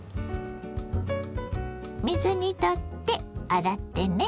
水にとって洗ってね。